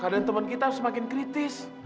kadang teman kita semakin kritis